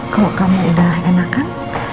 kalau kamu udah enakan